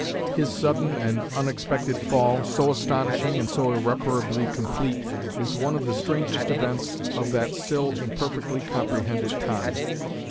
His sudden and unexpected fall, so astonishing and so irreparably complete, is one of the strangest events of that still imperfectly comprehended time.